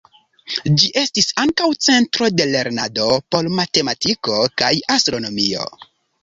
Ĝi estis ankaŭ centro de lernado por matematiko kaj astronomio.